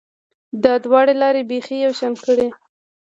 دا دواړې لارې بیخي یو شان کړې